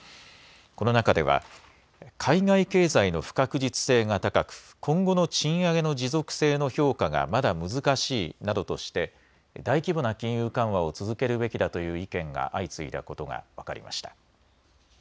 この中では海外経済の不確実性が高く、今後の賃上げの持続性の評価がまだ難しいなどとして大規模な金融緩和を続けるべきだという意見が相次いだことが分かりました。